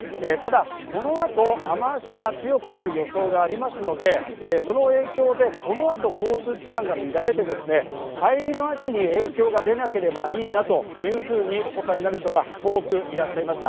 この後、雨脚が強くなる予想がありますので、この後、交通機関が乱れて帰りの足に影響が出なければいいなというふうにお答えになる人が多くいらっしゃいました。